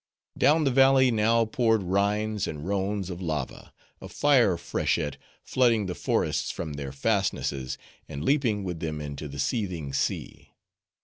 Down the valley now poured Rhines and Rhones of lava, a fire freshet, flooding the forests from their fastnesses, and leaping with them into the seething sea.